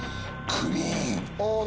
クリーン。